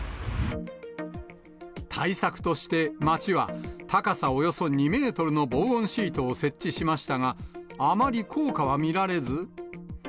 対策として、町は、高さおよそ２メートルの防音シートを設置しましたが、あまり効果は見られず。